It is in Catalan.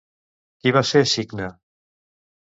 Qui va ser Cicne?